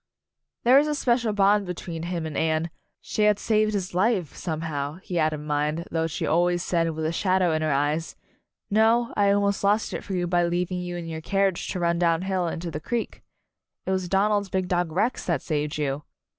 There was a special bond between him 16 Anne's Wedding and Anne; she had saved his life, some how, he had in mind, though she always said with a shadow in her eyes, "No, I almost lost it for you by leaving you in your carriage to run down hill into the creek. It was Donald's big dog Rex that saved you."